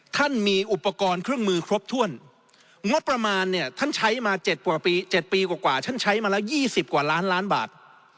ท่านมีอุปกรณ์เครื่องมือครบถ้วนงบประมาณเนี่ยท่านใช้มา๗ปีกว่าท่านใช้มาแล้ว๒๐กว่าล้านล้านบาท